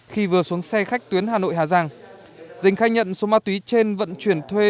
khi vừa xuống xe khách tuyến hà nội hà giang dình khai nhận số ma túy trên vận chuyển thuê